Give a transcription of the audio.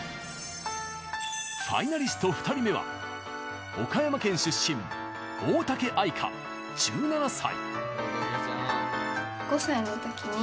ファイナリスト２人目は岡山県出身、大嵩愛花、１７歳。